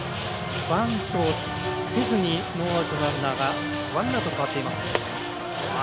バントをせずにノーアウトのランナーがワンアウトに変わっています。